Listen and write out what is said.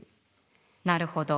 なるほど。